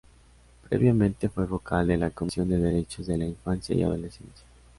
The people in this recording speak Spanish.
Previamente fue vocal de la Comisión de Derechos de la Infancia y Adolescencia.